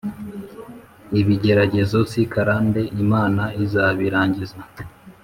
iBigeragezo si karande imana izabirangiza